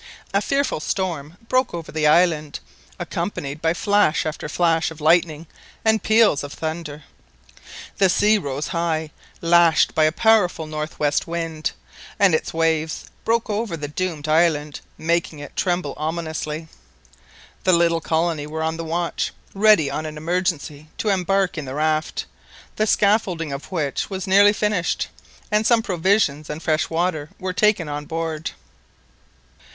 A fearful storm broke over the island, accompanied by flash after flash of lightning and peals of thunder. The sea rose high, lashed by a powerful north west wind, and its waves broke over the doomed island, making it tremble ominously. The little colony were on the watch, ready on an emergency to embark in the raft, the scaffolding of which was nearly finished, and some provisions and fresh water were taken on board.